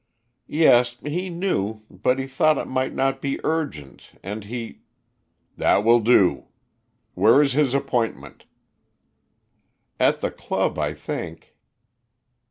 "Yes, he knew, but he thought it might not be urgent, and he " "That will do. Where is his appointment?" "At the club, I think."